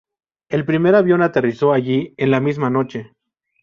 El primer avión aterrizó allí en la misma noche.